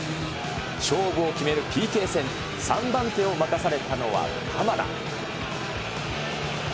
勝負を決めるＰＫ戦、３番手を任されたのは鎌田。